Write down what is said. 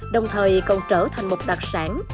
đồng thời còn trở thành một đặc sản